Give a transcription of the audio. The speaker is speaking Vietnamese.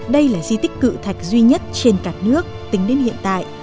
đây là di tích cự thạch duy nhất trên cả nước tính đến hiện tại